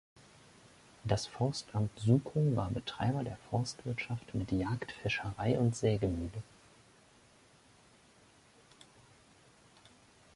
Das Forstamt Suckow war Betreiber der Forstwirtschaft mit Jagd, Fischerei und Sägemühle.